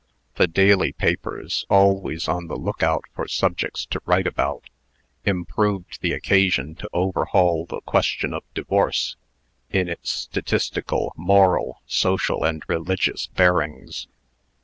The daily papers, always on the look out for subjects to write about, improved the occasion to overhaul the question of divorce, in its statistical, moral, social, and religious bearings.